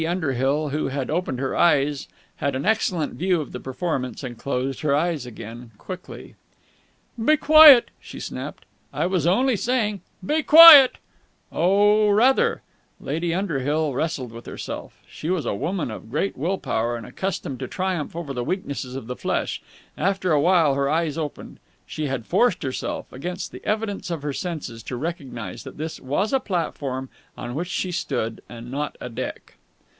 Lady Underhill, who had opened her eyes, had an excellent view of the performance, and closed her eyes again quickly. "Be quiet!" she snapped. "I was only saying...." "Be quiet!" "Oh, rather!" Lady Underhill wrestled with herself. She was a woman of great will power and accustomed to triumph over the weaknesses of the flesh. After a while her eyes opened. She had forced herself, against the evidence of her senses, to recognize that this was a platform on which she stood and not a deck.